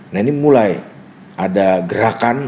nah ini mulai ada gerakan